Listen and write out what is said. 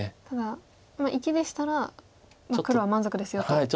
ただ生きでしたら黒は満足ですよと。